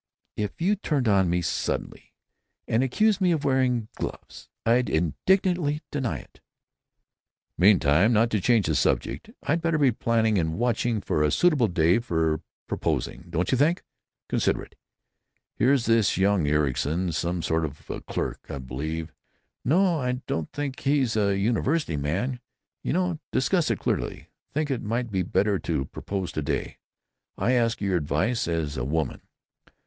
If you turned on me suddenly and accused me of wearing gloves I'd indignantly deny it." "Meantime, not to change the subject, I'd better be planning and watching for a suitable day for proposing, don't you think? Consider it. Here's this young Ericson—some sort of a clerk, I believe—no, don't think he's a university man——You know; discuss it clearly. Think it might be better to propose to day? I ask your advice as a woman."